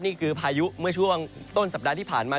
นี่คือพายุเมื่อช่วงต้นสัปดาห์ที่ผ่านมา